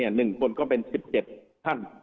หนึ่งคนก็เป็น๑๗ท่าน